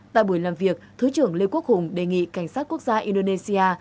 tại buổi làm việc thứ trưởng lê quốc hùng đề nghị cảnh sát quốc gia indonesia